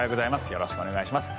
よろしくお願いします。